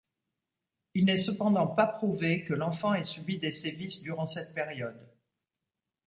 Il n'est cependant pas prouvé que l'enfant ait subi des sévices durant cette période.